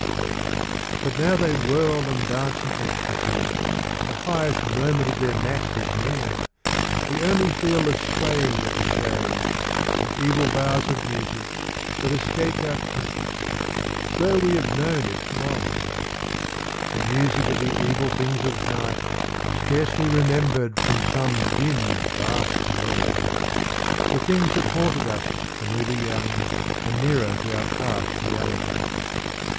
* =i< * But now they whirl and dance in ecstasy. The highest moment of their mass is near. We only feel the swaying of the shades, And evil bars of music, that escape Our consciousness, tho' we have known it long :— The music of the evil things of Night 29 Black Mass. Scarcely remembered from some dim, vast world The thing? that haunted us when we were young And nearer to our past realities.